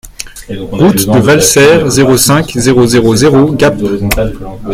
Route de Valserres, zéro cinq, zéro zéro zéro Gap